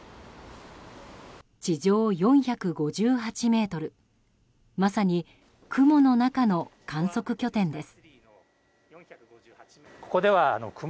地上４５８ｍまさに雲の中の観測拠点です。